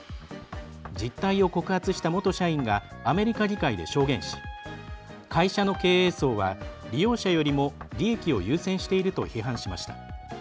実態を告発した元社員がアメリカ議会で証言し会社の経営層は、利用者よりも利益を優先していると批判しました。